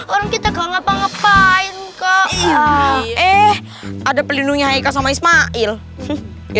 orang kita ngapa ngapain kok eh ada pelindungnya sama ismail ya